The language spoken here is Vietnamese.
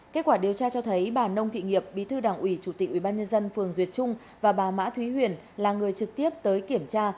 kết quả điều tra cho thấy bà nông thị nghiệp bí thư đảng ủy chủ tịch ubnd phường duyệt trung và bà mã thúy huyền là người trực tiếp tới kiểm tra